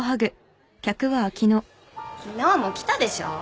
昨日も来たでしょ。